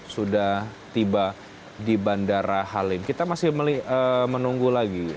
sudah tiba beberapa saat yang lalu